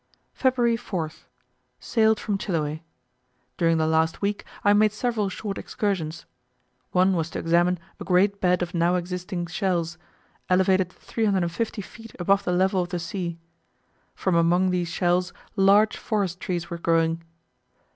February 4th. Sailed from Chiloe. During the last week I made several short excursions. One was to examine a great bed of now existing shells, elevated 350 feet above the level of the sea: from among these shells, large forest trees were growing.